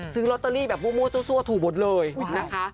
ซื้อรอตเตอรี่แบบมูสถูกลยเลยนะคะ